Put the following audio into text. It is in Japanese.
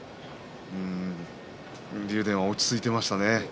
竜電、落ち着いていました。